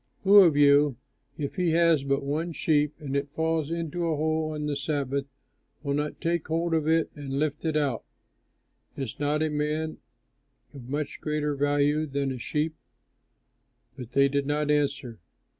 Who of you, if he has but one sheep and it falls into a hole on the Sabbath, will not take hold of it and lift it out? Is not a man of much greater value than a sheep?" But they did not answer.